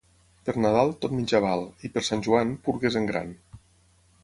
Per Nadal, tot menjar val; i per Sant Joan, purgues en gran.